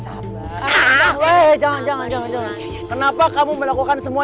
tuh masa bales dendam bales dendam bagaimana masa tio apa bisa kita mulai untuk acara hijab kabelnya